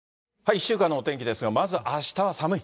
１週間のお天気ですが、まずあしたは寒い。